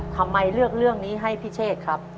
ทำไมเลือกเรื่องนี้ให้พี่เชษครับ